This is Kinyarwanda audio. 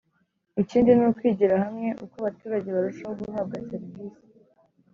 Ikindi ni ukwigira hamwe uko abaturage barushaho guhabwa serivisi